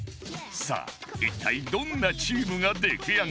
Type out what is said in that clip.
さあ一体どんなチームが出来上がるのか？